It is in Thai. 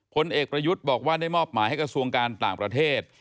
ผลเอกประยุทธ์บอกว่าได้มอบหมายให้กระทรวงการต่างประเทศ